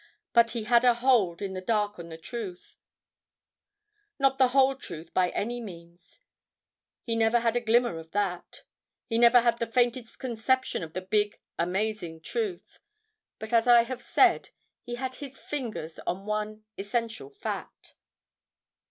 But he had a hold in the dark on the truth—not the whole truth by any means; he never had a glimmer of that. He never had the faintest conception of the big, amazing truth. But as I have said, he had his fingers on one essential fact.